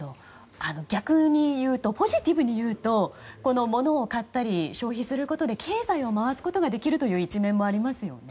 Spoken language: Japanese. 逆にいうとポジティブにいうと物を買ったり、消費することで経済を回すことができるという一面もありますよね。